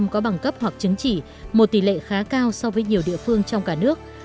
bốn mươi năm có bằng cấp hoặc chứng chỉ một tỷ lệ khá cao so với nhiều địa phương trong cả nước